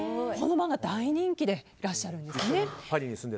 この漫画、大人気でいらっしゃるんですね。